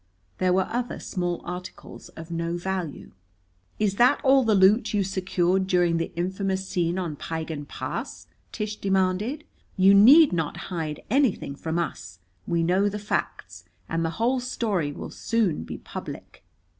There were other small articles, of no value. "Is that all the loot you secured during the infamous scene on Piegan Pass?" Tish demanded, "You need not hide anything from us. We know the facts, and the whole story will soon be public."